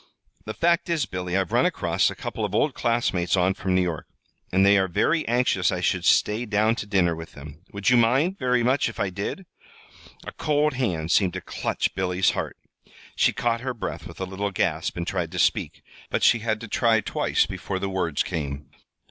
"The fact is, Billy, I've run across a couple of old classmates on from New York, and they are very anxious I should stay down to dinner with them. Would you mind very much if I did?" A cold hand seemed to clutch Billy's heart. She caught her breath with a little gasp and tried to speak; but she had to try twice before the words came.